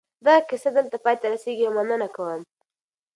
دغه کیسه دلته پای ته رسېږي او مننه کوم.